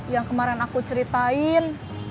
yang kemarin aku ceritain